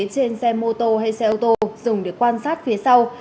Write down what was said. trên xe mô tô hay xe ô tô dùng để quan sát phía sau